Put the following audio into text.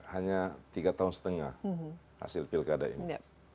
hanya tiga tahun setengah hasil pilkada ini